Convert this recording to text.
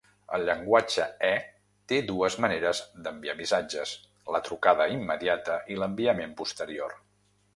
El llenguatge E té dues maneres d'enviar missatges: la trucada immediata i l'enviament posterior.